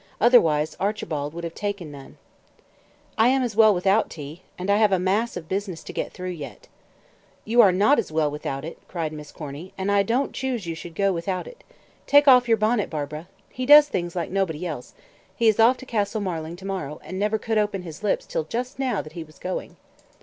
Otherwise, Archibald would have taken none." "I am as well without tea. And I have a mass of business to get through yet." "You are not as well without it," cried Miss Corny, "and I don't choose you should go without it. Take off your bonnet, Barbara. He does things like nobody else; he is off to Castle Marling to morrow, and never could open his lips till just now that he was going."